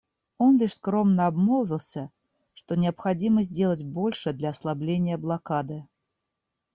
Он лишь скромно обмолвился, что необходимо сделать больше для ослабления блокады.